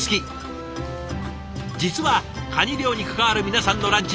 実はカニ漁に関わる皆さんのランチ